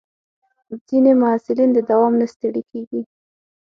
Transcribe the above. ځینې محصلین د دوام نه ستړي کېږي.